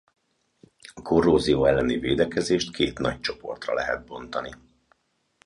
A korrózió elleni védekezést két nagy csoportra lehet bontani.